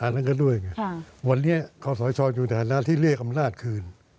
นั่นก็ด้วยไงวันนี้ขอสชอยู่ในฐานะที่เรียกอำนาจคืน